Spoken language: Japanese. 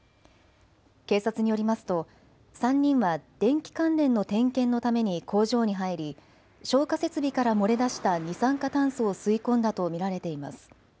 警察によりますと３人は電気関連の点検のために工場に入り消火設備から漏れ出した二酸化炭素を吸い込んだと見られています。